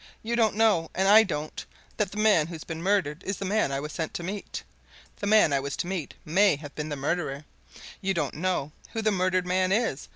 "You don't know, and I don't, that the man who's been murdered is the man I was sent to meet. The man I was to meet may have been the murderer; you don't know who the murdered man is.